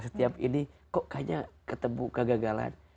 setiap ini kok kayaknya ketemu kegagalan